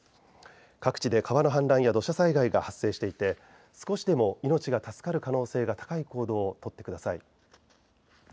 各地で川の氾濫や土砂災害が発生していて少しでも命が助かる可能性が高い行動をとってください。